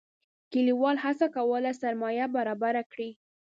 کلیوالو هڅه کوله سرسایه برابره کړي.